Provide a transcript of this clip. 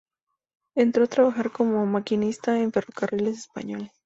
Entró a trabajar como maquinista en Ferrocarriles Españoles.